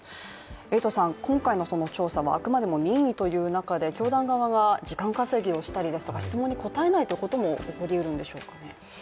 今回の調査はあくまでも任意という中で教団側が時間稼ぎをしたりですとか、質問に答えないということも起こりうるんでしょうか？